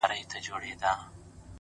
ساده فکر ستونزې کوچنۍ کوي